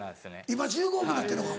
今１５億になってんのか。